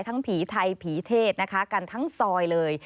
ทั้งผีไทยผีเทศกันทั้งซอยเลย